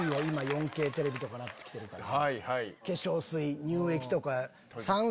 ４Ｋテレビとかになってきてるから。